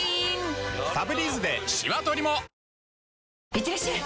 いってらっしゃい！